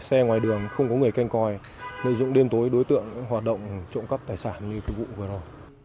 xe ngoài đường không có người canh coi lợi dụng đêm tối đối tượng hoạt động trộm cắp tài sản như vụ vừa rồi